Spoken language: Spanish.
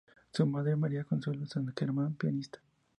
Su madre, María Consuelo San Germán, pianista.